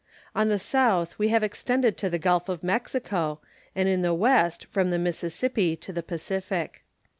On the south we have extended to the Gulf of Mexico, and in the west from the Mississippi to the Pacific.